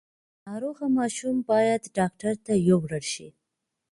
ناروغه ماشوم باید ډاکټر ته یووړل شي۔